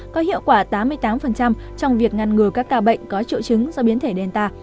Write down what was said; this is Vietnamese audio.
có hiệu quả tám mươi tám trong việc ngăn ngừa các ca bệnh có triệu chứng do biến thể genta